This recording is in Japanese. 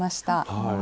はい。